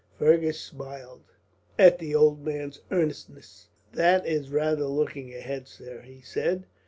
Fergus smiled at the old man's earnestness. "That is rather looking ahead, sir," he said.